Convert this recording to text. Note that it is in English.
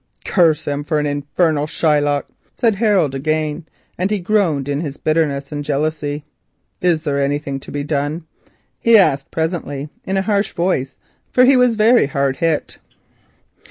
"Curse him for a Shylock," said Harold again, and groaned in his bitterness and jealousy. "Is there nothing to be done?" he asked presently in a harsh voice, for he was very hard hit.